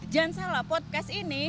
jangan salah podcast ini